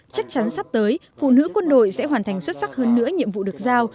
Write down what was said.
chắc chắn sắp tới phụ nữ quân đội sẽ hoàn thành xuất sắc hơn nữa nhiệm vụ được giao